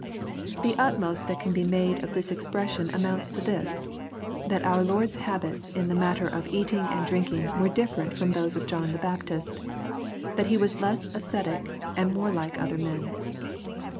] The utmost that can be made of this expression amounts to this, that our Lord's habits in the matter of eating and drinking were different from those of John the Baptist, that He was less ascetic, and more like other men.